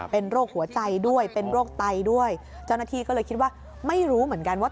เป็นโรคหัวใจด้วยเป็นโรคไตด้วยเจ้าหน้าที่ก็เลยคิดว่าไม่รู้เหมือนกันว่า